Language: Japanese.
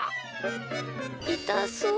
いたそう。